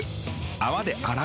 泡で洗う。